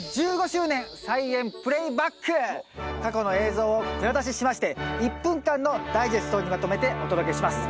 題して過去の映像を蔵出ししまして１分間のダイジェストにまとめてお届けします。